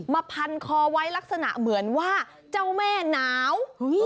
พันคอไว้ลักษณะเหมือนว่าเจ้าแม่หนาว